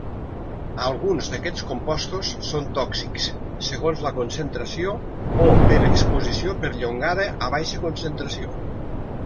Alguns d'aquests compostos són tòxics segons la concentració o per exposició perllongada a baixa concentració.